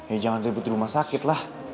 ya jangan ribut di rumah sakit lah